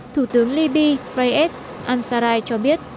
thủ tướng liby freyet ansaray cho biết